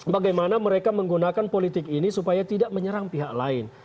bagaimana mereka menggunakan politik ini supaya tidak menyerang pihak lain